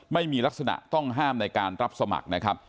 ไม่มีลักษณะต้องห้ามในการรับสมัครนะครับ